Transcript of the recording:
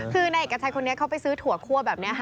คืออีกชายคนเขาไปซื้อถั่วครัวแบบนี้